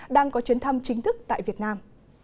đang có chuyến thăm chính thức tại việt nam